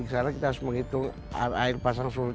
karena kita harus menghitung air pasang surut